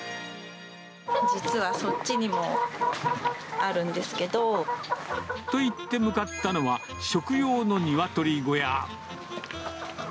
実はそっちにもあるんですけと言って向かったのは、食用のニワトリ小屋。